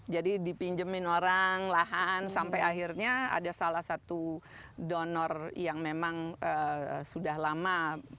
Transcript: jadi dipinjemin orang lahan sampai akhirnya ada salah satu donor yang memang sudah lama